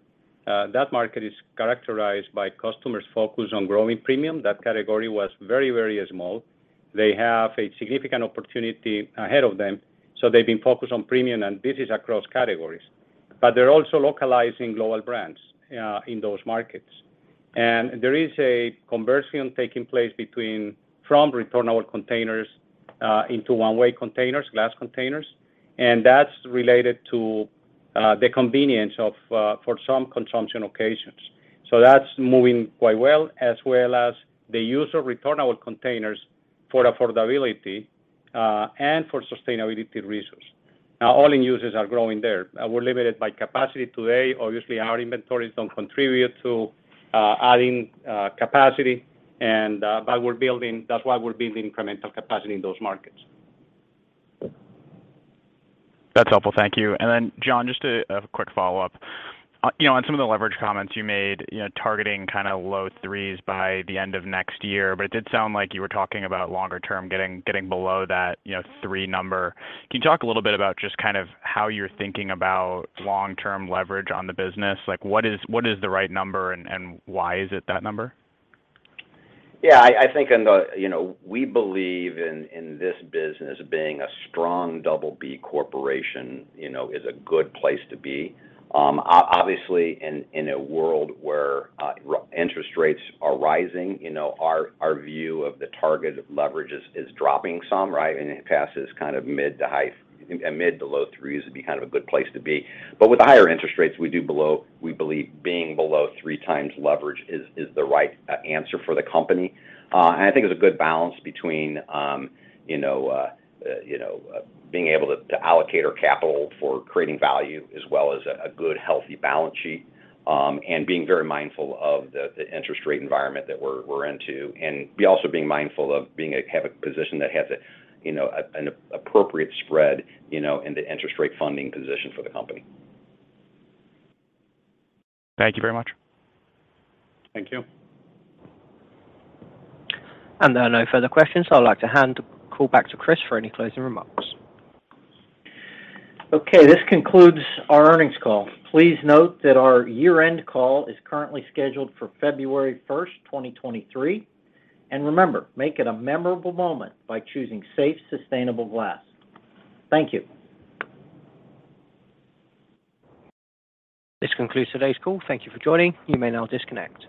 that market is characterized by customers focused on growing premium. That category was very, very small. They have a significant opportunity ahead of them, so they've been focused on premium, and this is across categories. They're also localizing global brands in those markets. There is a conversion taking place from returnable containers into one-way glass containers. That's related to the convenience for some consumption occasions. That's moving quite well, as well as the use of returnable containers for affordability and for sustainability reasons. All end users are growing there. We're limited by capacity today. Obviously, our inventories don't contribute to adding capacity. We're building that's why we're building incremental capacity in those markets. That's helpful, thank you. John, just a quick follow-up. You know, on some of the leverage comments you made, you know, targeting kinda low threes by the end of next year. It did sound like you were talking about longer term, getting below that, you know, three number. Can you talk a little bit about just kind of how you're thinking about long-term leverage on the business? Like, what is the right number and why is it that number? Yeah, I think on the. You know, we believe in this business being a strong BB corporation, you know, is a good place to be. Obviously, in a world where interest rates are rising, you know, our view of the target leverage is dropping some, right? It puts kind of mid to low threes would be kind of a good place to be. With the higher interest rates, we believe being below 3x leverage is the right answer for the company. I think there's a good balance between you know, being able to allocate our capital for creating value as well as a good healthy balance sheet, and being very mindful of the interest rate environment that we're into. We also have a position that has a, you know, an appropriate spread, you know, in the interest rate funding position for the company. Thank you very much. Thank you. There are no further questions. I'd like to hand the call back to Chris for any closing remarks. Okay. This concludes our earnings call. Please note that our year-end call is currently scheduled for February 1, 2023. Remember, make it a memorable moment by choosing safe, sustainable glass. Thank you. This concludes today's call. Thank you for joining. You may now disconnect.